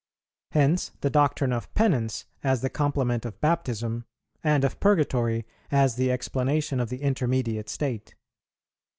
Hence the doctrine of Penance as the complement of Baptism, and of Purgatory as the explanation of the Intermediate State.